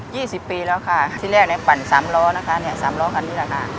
สิบปีแล้วค่ะที่แรกเนี้ยปั่นสามล้อนะคะเนี้ยสามล้อคันนี้แหละค่ะ